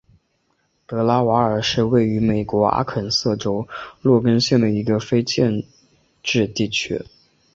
德拉瓦尔是位于美国阿肯色州洛根县的一个非建制地区。